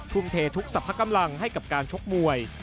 ทุ่มเททุกสรรพกำลังให้กับการชกมวย